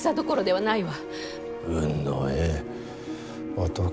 運のええ男。